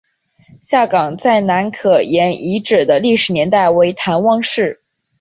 下岗再南坎沿遗址的历史年代为唐汪式。